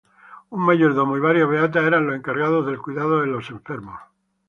Un mayordomo y varias beatas eran los encargados del cuidado de los enfermos.